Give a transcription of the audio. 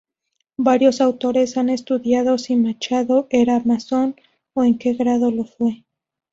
Varios autores han estudiado si Machado era masón o en que grado lo fue.